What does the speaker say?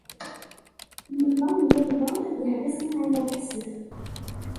Yuba yella yebɣa ad yeḥbes Naɛima u Ḥsen.